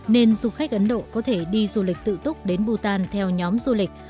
nên du khách ấn độ có thể đi du lịch tự túc đến bhutan theo nhóm du lịch